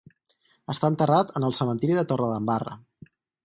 Està enterrat en el cementiri de Torredembarra.